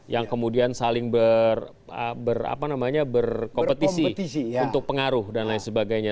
yang kemudian saling berkompetisi untuk pengaruh dan lain sebagainya